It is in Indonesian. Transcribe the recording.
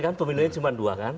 tapi kan peminatnya cuma dua kan